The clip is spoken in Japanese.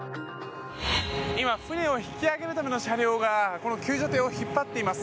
今、船を引き揚げるための車両が救助艇を引っ張っています。